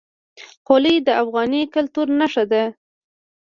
خولۍ د افغاني کلتور نښه ده.